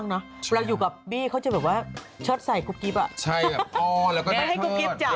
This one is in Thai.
ไปเที่ยวก็บอกเลยนี่ไงเมียบอกแล้วไปเที่ยว